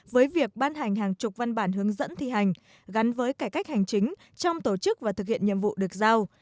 với việc ban hành hàng chục văn bản hướng dẫn thi hành gắn với cải cách hành chính trong tổ chức và thực hiện nhiệm vụ được giao